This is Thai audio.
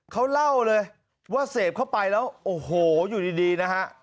เขาเล่าเลยว่าเสพเข้าไปแล้วโอ้โหอยู่ดีนะฮะ